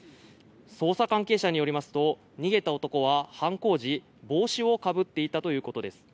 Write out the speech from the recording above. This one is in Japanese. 捜査関係者によりますと逃げた男は犯行時帽子をかぶっていたということです。